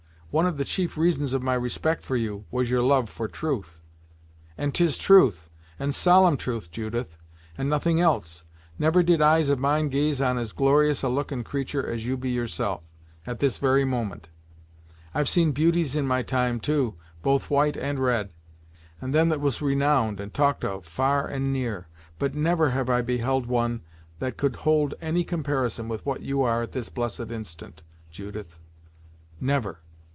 "One of the chief reasons of my respect for you, was your love for truth." "And 'tis truth, and solemn truth, Judith, and nothing else. Never did eyes of mine gaze on as glorious a lookin' creatur' as you be yourself, at this very moment! I've seen beauties in my time, too, both white and red; and them that was renowned and talk'd of, far and near; but never have I beheld one that could hold any comparison with what you are at this blessed instant, Judith; never."